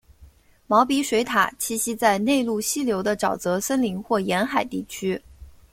毛鼻水獭栖息在内陆溪流的沼泽森林或沿海地区。